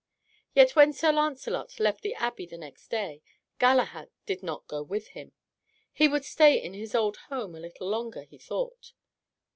Yet when Sir Lancelot left the abbey the next day, Galahad did not go with him. He would stay in his old home a little longer, he thought.